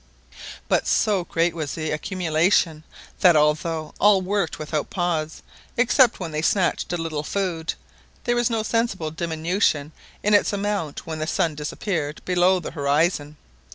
But so great was the accumulation, that although all worked without pause, except when they snatched a little food, there was no sensible diminution in its amount when the sun disappeared below the horizon.